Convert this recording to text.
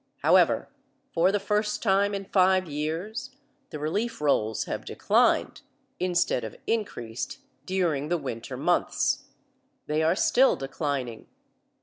However, for the first time in five years the relief rolls have declined instead of increased during the winter months. They are still declining.